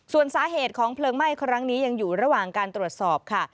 ส่วนสาเหตุของเพลิงไหม้ครั้งนี้ยังอยู่ระหว่างการตรวจสอบค่ะ